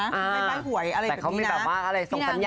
ไม่ใบ้หวยอะไรแบบนี้นะ